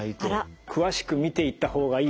詳しく見ていった方がいい。